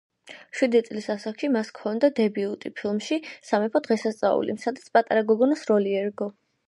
შვიდი წლის ასაკში მას ჰქონდა დებიუტი ფილმში „სამეფო დღესასწაული“, სადაც პატარა გოგონას როლი ერგო.